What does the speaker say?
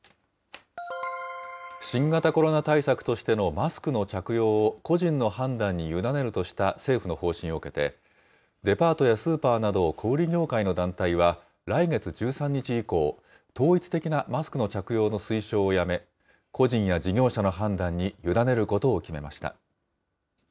新型コロナ対策としてのマスクの着用を個人の判断に委ねるとした政府の方針を受けて、デパートやスーパーなど小売業界の団体は、来月１３日以降、統一的なマスクの着用の推奨をやめ、個人や事業者の判断に委ねることを決めました。